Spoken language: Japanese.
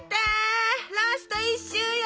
ラスト１周よ